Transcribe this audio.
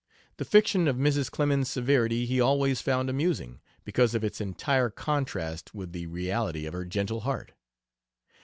The fiction of Mrs. Clemens's severity he always found amusing, because of its entire contrast with the reality of her gentle heart.